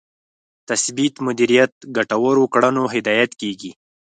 تثبیت مدیریت ګټورو کړنو هدایت کېږي.